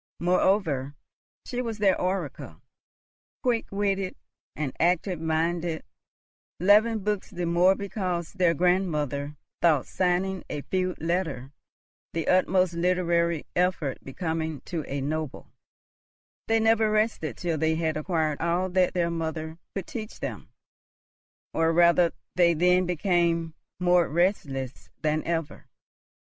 Moreover, she was their oracle. Quick witted and active minded, loving books the more because their grandmother thought signing a feud letter the utmost literary effort becoming to a noble, they never rested till they had acquired all that their mother could teach them; or, rather, they then became more restless than ever.